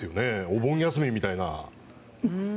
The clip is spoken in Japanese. お盆休みみたいな。